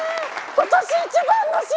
今年一番の幸せ！